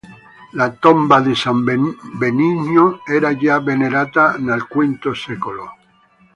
La tomba di San Benigno era già venerata nel V secolo.